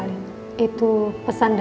si buruk rupa